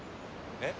えっ？